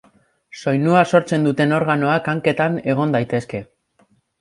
Soinua sortzen duten organoak hanketan egon daitezke.